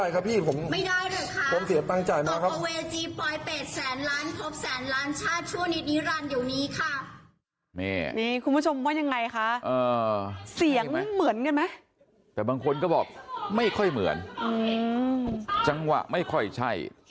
คุณผู้ชมว่ายังไงคะเสียงเหมือนกันไหมแต่บางคนก็บอกไม่ค่อยเหมือนจังหวะไม่ค่อยใช่